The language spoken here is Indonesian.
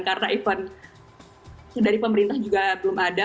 karena event dari pemerintah juga belum ada